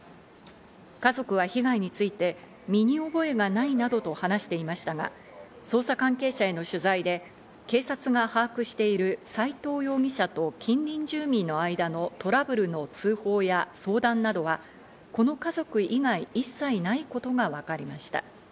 家族は被害について、身に覚えがないなどと話していましたが、捜査関係者への取材で警察が把握している斎藤容疑者と近隣住民の間のトラブルの通報や相談などは、この家族以外、一切ないことが分かりました。